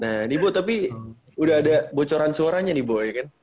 nah ini bu tapi udah ada bocoran suaranya nih bu ya kan